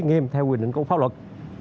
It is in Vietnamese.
cái nghiêm theo quyền định của pháp luật